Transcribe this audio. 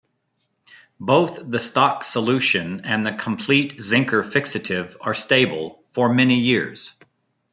Both the stock solution and the complete Zenker fixative are stable for many years.